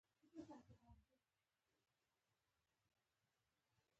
په افغانستان کې د سلیمان غر منابع شته.